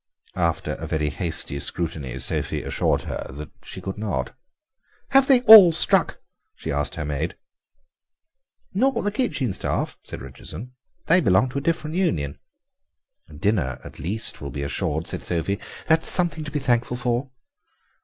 After a very hasty scrutiny Sophie assured her that she could not. "Have they all struck?" she asked her maid. "Not the kitchen staff," said Richardson, "they belong to a different union." "Dinner at least will be assured," said Sophie, "that is something to be thankful for."